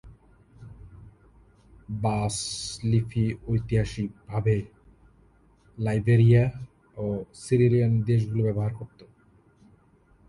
বাস লিপি ঐতিহাসিকভাবে লাইবেরিয়া এবং সিয়েরা লিওন দেশগুলিতে ব্যবহার হতো।